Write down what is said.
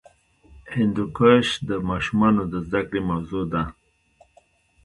هندوکش د ماشومانو د زده کړې موضوع ده.